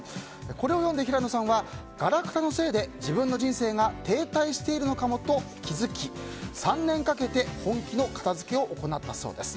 これを読んで平野さんはガラクタのせいで自分の人生が停滞しているのかもと気づき３年かけて本気の片付けを行ったそうです。